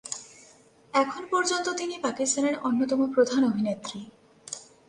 এখন পর্যন্ত তিনি পাকিস্তানের অন্যতম প্রধান অভিনেত্রী।